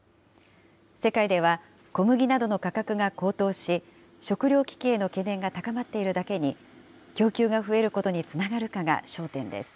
世界では小麦などの価格が高騰し、食料危機への懸念が高まっているだけに、供給が増えることにつながるかが焦点です。